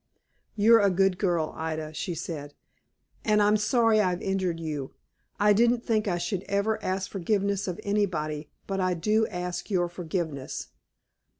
"You're a good girl, Ida," she said; "and I'm sorry I've injured you. I didn't think I should ever ask forgiveness of anybody; but I do ask your forgiveness."